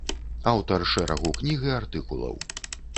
Аўтар шэрагу кніг і артыкулаў.